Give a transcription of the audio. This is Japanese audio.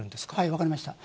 分かりました。